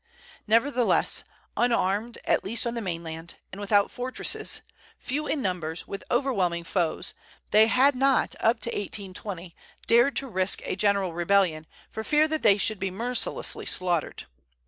Nevertheless, unarmed, at least on the mainland, and without fortresses, few in numbers, with overwhelming foes, they had not, up to 1820, dared to risk a general rebellion, for fear that they should be mercilessly slaughtered.